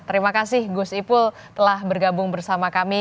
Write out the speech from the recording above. terima kasih gus ipul telah bergabung bersama kami